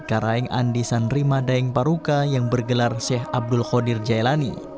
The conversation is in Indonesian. karayeng andi sanrimadeng paruka yang bergelar sheikh abdul khadir jailani